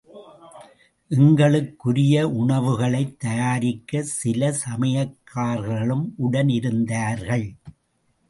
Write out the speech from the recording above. எங்களுக்குரிய உணவுகளைத் தயாரிக்க சில சமையற்காரர்களும் உடனிருந்தார்கள்.